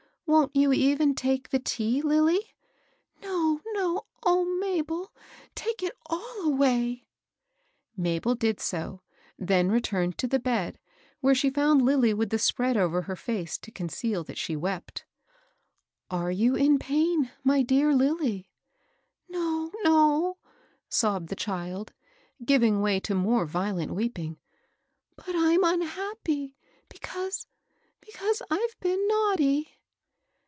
Wont you even take the tea, Lilly ?"" No, no I — O Mabel I take it all away !" Mabel did so ; then returned to the bed, where WORK — WORE — WORK." 296 she found Lilly with the spread over her fece to conceal that she wept. *' Are you in pain, my dear Lilly? "'* No, no," sobbed the child, giving way to more violent weeping; "but I'm unhappy because — because I've been naughty."